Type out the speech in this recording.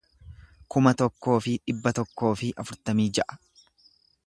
kuma tokkoo fi dhibba tokkoo fi afurtamii ja'a